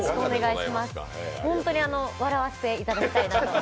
ホントに笑わせていただきたいなと。